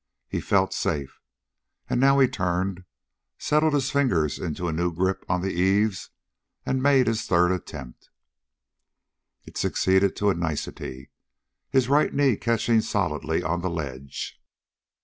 He felt safe, and now he turned, settled his fingers into a new grip on the eaves, and made his third attempt. It succeeded to a nicety, his right knee catching solidly on the ledge.